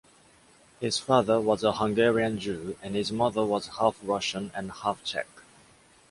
His father was a Hungarian Jew and his mother was half Russian and half Czech.